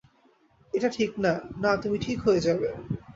এইটা ঠিক না - না, তুমি ঠিক হয়ে যাবে।